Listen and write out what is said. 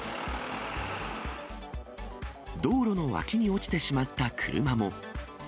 道路の脇に落ちてしまった車も。